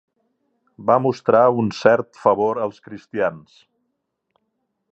Va mostrar un cert favor als cristians.